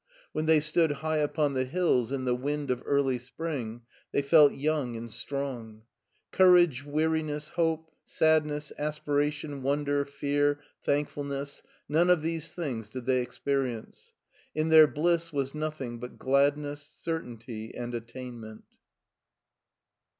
When they stood high upon the hills in the wind of early spring, they felt ytung and strong. Courage, weariness, hope, sad ness, aspiration, wonder, fear, thankfulness: none of these things did they experience. In their bliss was nothing but gladness, certainty^ and attainment.